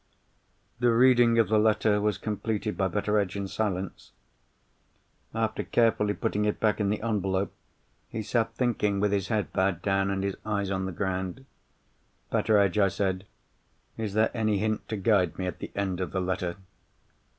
The reading of the letter was completed by Betteredge in silence. After carefully putting it back in the envelope, he sat thinking, with his head bowed down, and his eyes on the ground. "Betteredge," I said, "is there any hint to guide me at the end of the letter?"